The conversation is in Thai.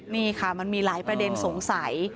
นี่ค่ะมันมีหลายประเด็นสงสัย